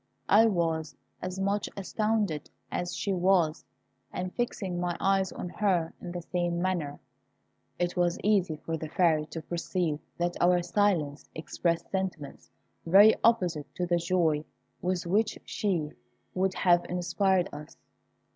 I was as much astounded as she was, and fixing my eyes on her in the same manner, it was easy for the Fairy to perceive that our silence expressed sentiments very opposite to the joy with which she would have inspired us.